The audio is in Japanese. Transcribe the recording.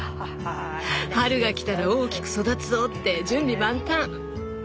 「春が来たら大きく育つぞ」って準備万端。